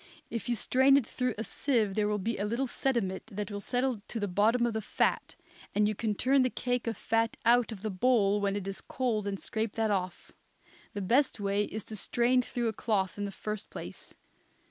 If you strain it through a sieve there will be a little sediment that will settle to the bottom of the fat, and you can turn the cake of fat out of the bowl when it is cold and scrape that off. The best way is to strain through a cloth in the first place.